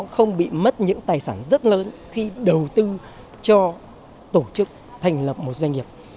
không bị mất những tài sản rất lớn khi đầu tư cho tổ chức thành lập một doanh nghiệp